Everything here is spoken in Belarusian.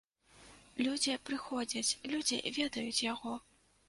Людзі прыходзяць, людзі ведаюць яго.